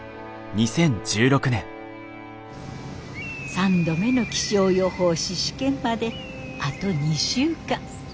３度目の気象予報士試験まであと２週間。